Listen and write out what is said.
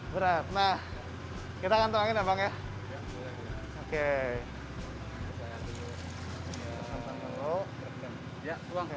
berat nah kita akan temankan ya bang